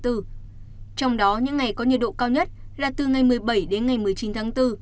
trong đó những ngày có nhiệt độ cao nhất là từ ngày một mươi bảy đến ngày một mươi chín tháng bốn